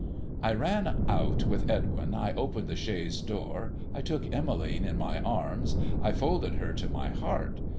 ' I ran out with Edwin, I opened the chaise door, I took Emmeline in my arms, I folded her to my heart.